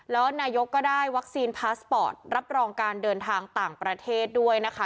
แล้วนายกก็ได้วัคซีนพาสปอร์ตรับรองการเดินทางต่างประเทศด้วยนะคะ